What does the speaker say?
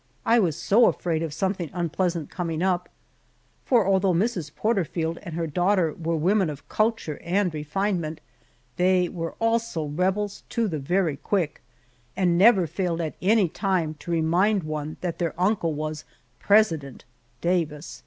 I was so afraid of something unpleasant coming up, for although Mrs. Porterfield and her daughter were women of culture and refinement, they were also rebels to the very quick, and never failed at any time to remind one that their uncle was "President" Davis!